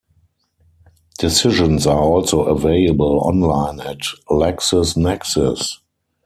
Decisions are also available online at LexisNexis.